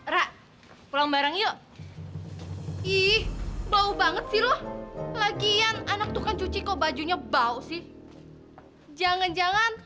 ra pulang barang yuk ih bau banget sih loh lagi yang anak tukang cuci kok bajunya bau sih jangan jangan lu nyuci di cemperan kali ya